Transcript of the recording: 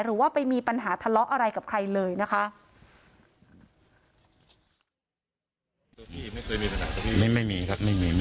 หรือว่าไปมีปัญหาทะเลาะอะไรกับใครเลยนะคะ